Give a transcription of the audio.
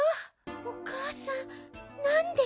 おかあさんなんで。